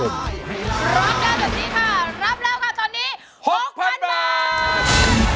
ร้องได้แบบนี้ค่ะรับแล้วค่ะตอนนี้๖๐๐๐บาท